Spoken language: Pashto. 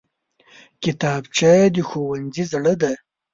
کتابچه د ښوونځي زړه دی